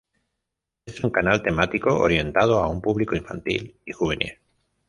Es un canal temático orientado a un público infantil y juvenil.